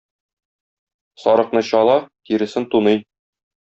Сарыкны чала, тиресен туный.